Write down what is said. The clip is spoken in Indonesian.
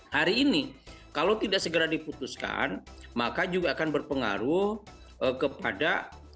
hari ini kalau tidak segera diputuskan maka juga akan berpengaruh kepada